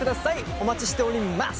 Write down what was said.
お待ちしております。